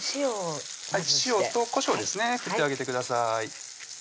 塩とこしょうですね振ってあげてください